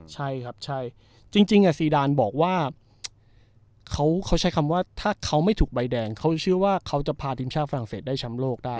ใช่ครับใช่จริงซีดานบอกว่าเขาใช้คำว่าถ้าเขาไม่ถูกใบแดงเขาเชื่อว่าเขาจะพาทีมชาติฝรั่งเศสได้แชมป์โลกได้